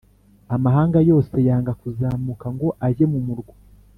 Amahanga yose yanga kuzamuka ngo ajye mu murwa